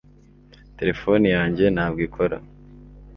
terefone yanjye ntabwo ikora